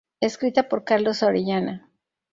Escrita por Carlos Orellana.